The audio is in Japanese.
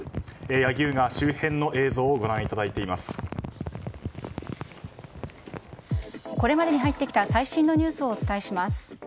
柳生川周辺の映像をこれまでに入ってきた最新のニュースをお伝えします。